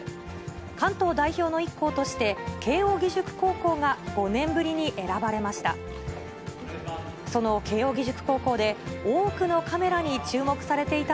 関東代表の１校として、慶応義塾高校が５年ぶりに選ばれました。